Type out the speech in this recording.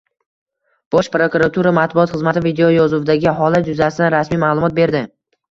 Bosh prokuratura matbuot xizmati videoyozuvdagi holat yuzasidan rasmiy ma’lumot berdi